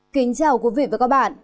kính chào quý vị và các bạn